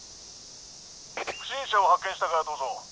不審者を発見したかどうぞ。